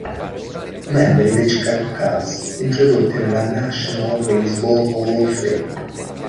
Membri dei Chicago Cubs introdotti nella National Baseball Hall of Fame.